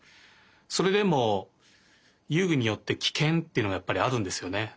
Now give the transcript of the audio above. それでも遊具によってキケンっていうのがやっぱりあるんですよね。